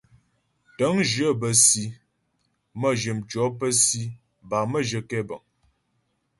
Tə̂ŋjyə bə́ si, mə́jyə mtʉɔ̌ pə́ si bâ mə́jyə kɛbəŋ.